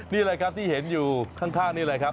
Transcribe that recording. นี่เลยที่เห็นอยู่ข้างนี่เลยครับ